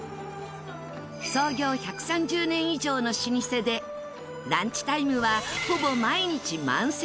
創業１３０年以上の老舗でランチタイムはほぼ毎日満席の人気店。